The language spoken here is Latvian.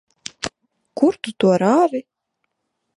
Kur tu to rāvi?